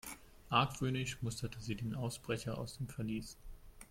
Argwöhnisch musterte sie den Ausbrecher aus dem Verlies.